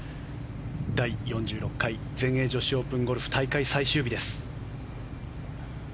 第４６回全英女子オープンゴルフ大会最終日です。